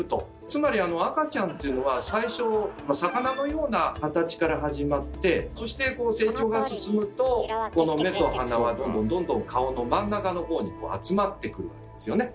つまり赤ちゃんっていうのは最初魚のような形から始まってそして成長が進むとこの目と鼻はどんどん顔の真ん中の方に集まってくるわけですよね。